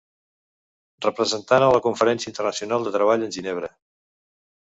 Representant en la Conferència Internacional de Treball en Ginebra.